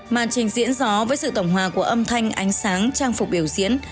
màn trình diễn gió với sự tổng hòa của âm thanh ánh sáng trang phục biểu diễn